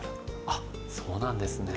あっそうなんですね。